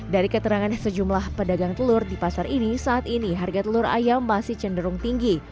dari keterangan sejumlah pedagang telur di pasar ini saat ini harga telur ayam masih cenderung tinggi